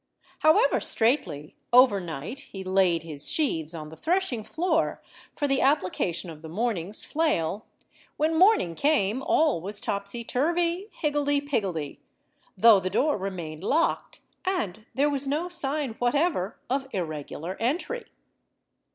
However straightly, over night, he laid his sheaves on the threshing floor, for the application of the morning's flail, when morning came all was topsy–turvy, higgledy–piggledy, though the door remained locked, and there was no sign whatever of irregular entry.